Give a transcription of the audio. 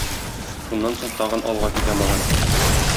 Шуннан соң тагын алга китә малай.